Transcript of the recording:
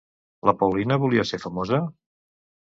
La Paulina volia ser famosa?